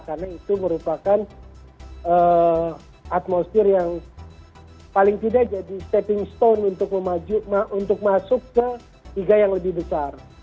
karena itu merupakan atmosfer yang paling tidak jadi stepping stone untuk masuk ke liga yang lebih besar